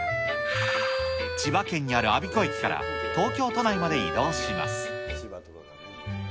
千葉県にある我孫子駅から東京都内まで移動します。